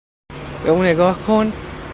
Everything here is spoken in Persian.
به او نگاه کن!